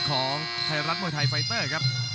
ของไทยรัฐมวยไทยไฟเตอร์ครับ